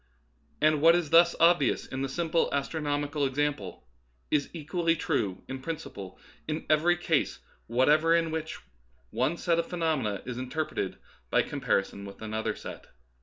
And what is thus obvious in this simple astro nomical example is equally true in principle in every case whatever in which one set of phenom ena is interpreted by comparison with another set.